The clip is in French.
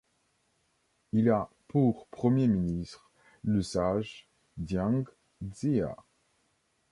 Il a pour premier ministre le sage Jiang Ziya.